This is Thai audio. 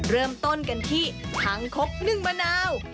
เริ่มต้นกันที่คางคกนึ่งมะนาว